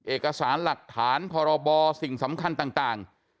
เอกสารหลักฐานพรบสิ่งสำคัญต่าง